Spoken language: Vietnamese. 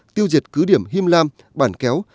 tiêu diệt cứ điểm him lam bản kéo